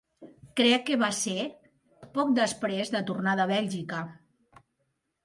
Crec que va ser poc després de tornar de Bèlgica.